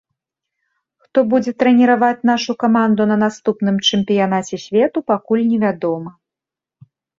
Хто будзе трэніраваць нашу каманду на наступным чэмпіянаце свету, пакуль невядома.